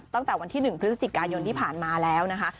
ตั้งแต่วันที่๑พฤศจิกายนที่ผ่านมาแล้วนะคะ